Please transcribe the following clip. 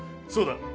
そうだ！